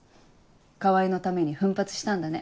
川合のために奮発したんだね。